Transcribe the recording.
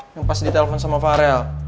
yang pas ditelepon sama farel